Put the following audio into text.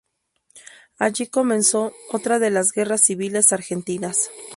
Allí comenzó otra de las guerras civiles argentinas.